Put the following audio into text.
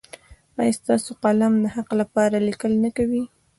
ایا ستاسو قلم د حق لپاره لیکل نه کوي؟